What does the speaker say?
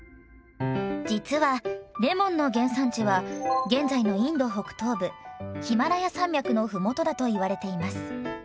実はレモンの原産地は現在のインド北東部ヒマラヤ山脈のふもとだと言われています。